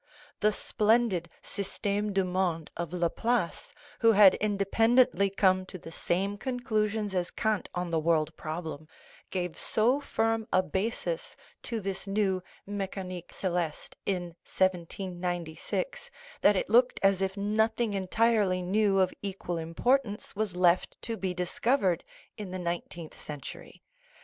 The splendid Systeme du Monde of Laplace, who had independently come to the same conclusions as Kant on the world problem, gave so firm a basis to this new Mecanique Celeste in 1796 that it looked as if nothing entirely new of equal importance was left to be discovered in the nineteenth century.